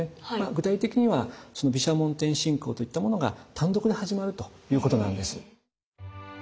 具体的には毘沙門天信仰といったものが単独で始まるということなんです。